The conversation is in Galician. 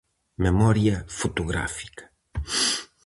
Memoria fotográfica.